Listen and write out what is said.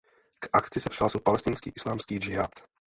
K akci se přihlásil Palestinský islámský džihád.